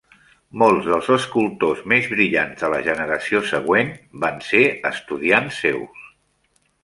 Molts dels escultors més brillants de la generació següent van ser estudiants seus.